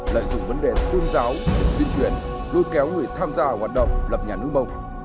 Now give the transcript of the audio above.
lợi dụng vấn đề tôn giáo tuyên truyền vừa kéo người tham gia hoạt động lập nhà nước mông